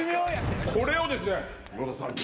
これをですね野田さんに。